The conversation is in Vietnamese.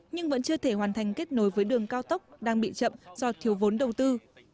nhưng vẫn chưa thể hoàn thành kết nối với đường cao tốc đang bị chậm do thiếu vốn đầu tư